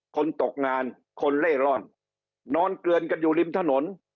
คนตกงานคนเล่ร่อนนอนเกลือนกันอยู่ริมถนน